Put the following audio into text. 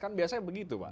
kan biasanya begitu pak